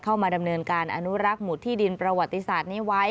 เข้ามาดำเนินการอนุรักษ์หุดที่ดินประวัติศาสตร์นี้ไว้